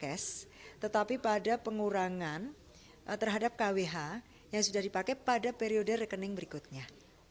tes tetapi pada pengurangan terhadap kwh yang sudah dipakai pada periode rekening berikutnya